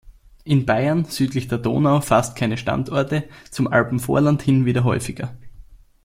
In Bayern südlich der Donau fast keine Standorte, zum Alpenvorland hin wieder häufiger.